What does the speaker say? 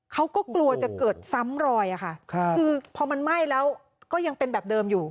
เขาก็กลัวจะเกิดซ้ำรอยอะค่ะคือพอมันไหม้แล้วก็ยังเป็นแบบเดิมอยู่